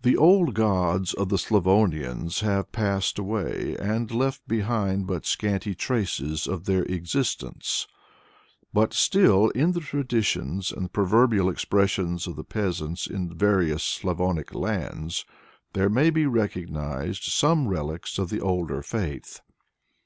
The old gods of the Slavonians have passed away and left behind but scanty traces of their existence; but still, in the traditions and proverbial expressions of the peasants in various Slavonic lands, there may be recognized some relics of the older faith.